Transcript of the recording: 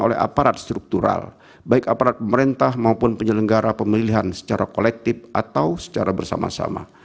oleh aparat struktural baik aparat pemerintah maupun penyelenggara pemilihan secara kolektif atau secara bersama sama